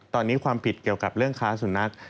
ตอนนี้ความผิดเกี่ยวกับเรื่องค้าสุนัข